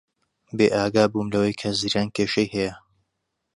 بێئاگا بووم لەوەی کە زریان کێشەی هەیە.